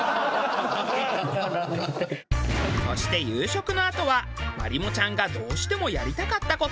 「」そして夕食のあとはまりもちゃんがどうしてもやりたかった事。